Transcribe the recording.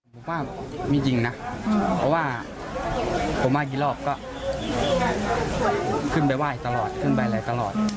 ผมว่ามีจริงนะเพราะว่าผมไห้กี่รอบก็ขึ้นไปไหว้ตลอดขึ้นไปอะไรตลอด